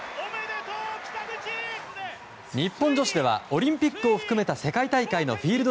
日本女子ではオリンピックを含めた世界大会のフィールド